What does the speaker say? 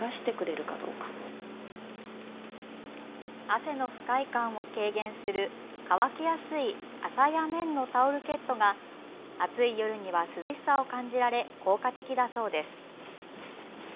汗の不快感を軽減する乾きやすい麻や綿のタオルケットが暑い夜には涼しさを感じられ、効果的だそうです。